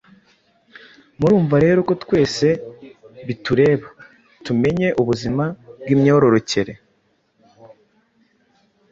Murumva rero ko twese bitureba, tumenye ubuzima bw’imyororokere,